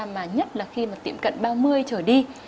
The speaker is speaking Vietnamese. mà nhất là khi mà tiệm cận ba mươi trở đi